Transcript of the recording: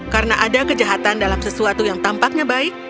karena ada kejahatan dalam sesuatu yang tampaknya baik